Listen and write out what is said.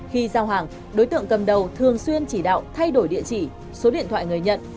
khi giao hàng đối tượng cầm đầu thường xuyên chỉ đạo thay đổi địa chỉ số điện thoại người nhận